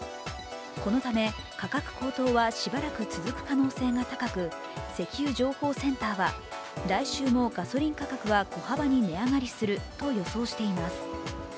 このため価格高騰はしばらく続く可能性が高く石油情報センターは来週もガソリン価格は小幅に値上がりすると予想しています。